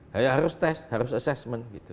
saya harus tes harus assessment gitu